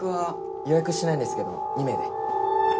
予約してないんですけど２名で。